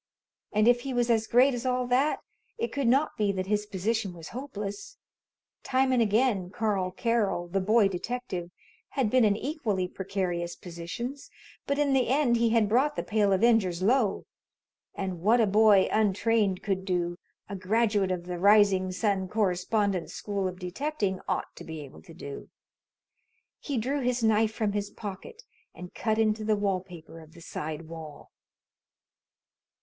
And if he was as great as all that, it could not be that his position was hopeless. Time and again Carl Carroll, the Boy Detective, had been in equally precarious positions, but in the end he had brought the Pale Avengers low. And what a boy, untrained, could do, a graduate of the Rising Sun Correspondence School of Detecting ought to be able to do! He drew his knife from his pocket and cut into the wall paper of the side wall.